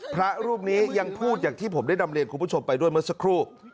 พระรูปนี้ยังพูดอย่างที่ผมได้นำเรียนคุณผู้ชมไปด้วยเมื่อสักครู่